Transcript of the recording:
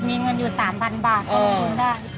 มีเงินอยู่๓๐๐๐บาทเขาไม่ทุนได้